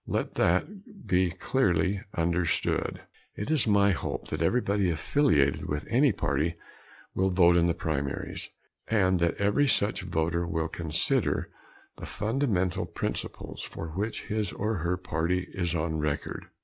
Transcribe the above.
Let that be clearly understood. It is my hope that everybody affiliated with any party will vote in the primaries, and that every such voter will consider the fundamental principles for which his or her party is on record.